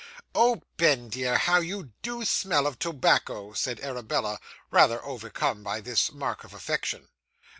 'Oh, Ben, dear, how you do smell of tobacco,' said Arabella, rather overcome by this mark of affection.